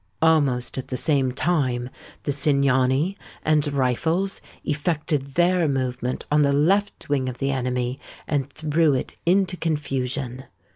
Almost at the same time, the Cingani and rifles effected their movement on the left wing of the enemy, and threw it into confusion.